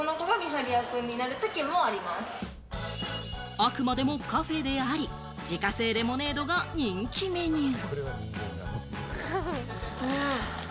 あくまでもカフェであり、自家製レモネードが人気メニュー。